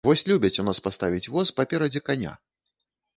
Вось любяць у нас паставіць воз паперадзе каня!